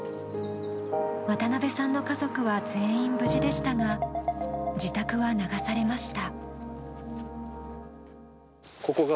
渡邊さんの家族は全員無事でしたが自宅は流されました。